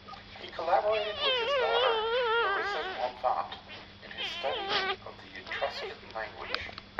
He collaborated with his daughter, Larissa Bonfante, in his study of the Etruscan language.